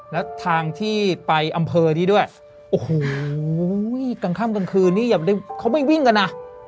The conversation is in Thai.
แล้วทางที่ไปอำเภอที่ด้วยกลางค่ำกลางคืนนี้เขาไม่วิ่งกันนะ